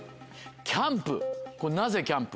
キャンプ。